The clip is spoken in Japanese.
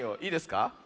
いいですか？